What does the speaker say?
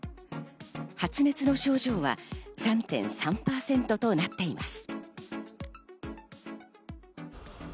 発熱の症状は３．３％となっています。